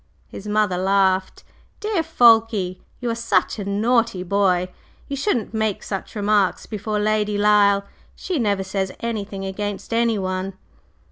His mother laughed. "Dear Fulke! You are such a naughty boy! You shouldn't make such remarks before Lady Lyle. She never says anything against anyone!"